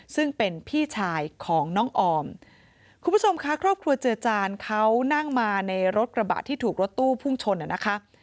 ซึ่งเป็นพี่ชายของน้องออมคุณผู้ชมค่ะครอบครัวเจือจานเขานั่งมาในรถกระบะที่ถูกรถตู้พุ่งชนอ่ะนะคะ